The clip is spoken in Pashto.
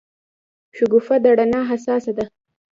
شګوفه د رڼا حساسه ده.